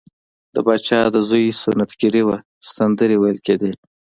د پاچا د زوی سنت ګیری وه سندرې ویل کیدې.